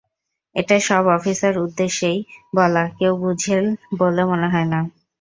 এটা সব অফিসার উদ্দেশ্যই বলা, কেউ বুঝেল বলে মনে হয় না।